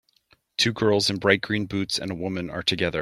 Two girls in bright green boots and a woman are together.